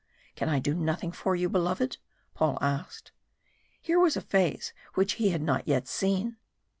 "Can I do nothing for you, beloved?" Paul asked. Here was a phase which he had not yet seen.